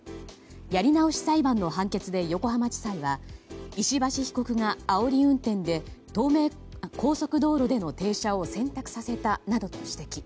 やり直し裁判の判決で横浜地裁は石橋被告があおり運転で高速道路での停車を選択させたなどと指摘。